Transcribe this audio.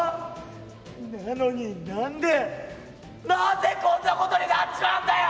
なのに何で何でこんなことになっちまうんだよ！」。